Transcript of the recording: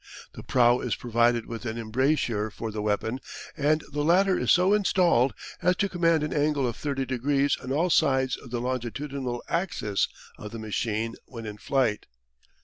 The prow is provided with an embrasure for the weapon and the latter is so installed as to command an angle of 30 degrees on all sides of the longitudinal axis of the machine when in flight.